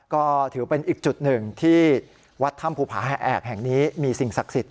ก็ถือเป็นอีกจุดหนึ่งที่วัดถ้ำภูผาแอกแห่งนี้มีสิ่งศักดิ์สิทธิ